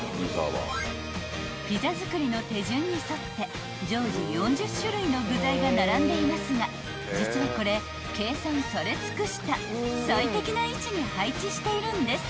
［ピザ作りの手順に沿って常時４０種類の具材が並んでいますが実はこれ計算され尽くした最適な位置に配置しているんです］